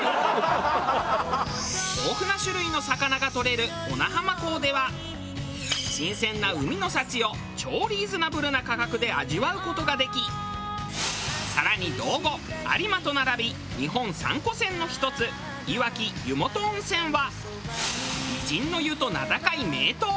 豊富な種類の魚がとれる小名浜港では新鮮な海の幸を超リーズナブルな価格で味わう事ができ更に道後有馬と並び日本三古泉の一ついわき湯本温泉は美人の湯と名高い名湯。